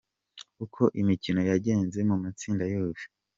Uko imikino yagenze mu matsinda yose:.